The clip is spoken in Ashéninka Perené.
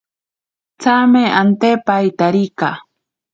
Tsame ante paitarika.